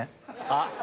あっ。